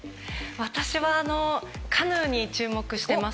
私はカヌーに注目しています。